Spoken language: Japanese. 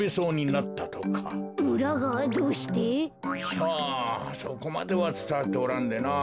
さあそこまではつたわっておらんでな。